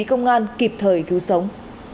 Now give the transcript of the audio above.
công an kịp thời cứu sống